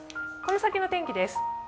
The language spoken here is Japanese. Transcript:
この先の天気です。